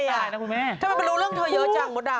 ทำไมเปล่ารู้เรื่องเธอเยอะจังโมดัม